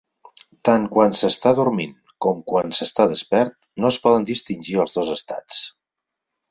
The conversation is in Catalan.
Tant quan s'està dormint, com quan s'està despert, no es poden distingir els dos estats.